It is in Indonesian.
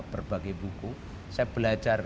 berbagai buku saya belajar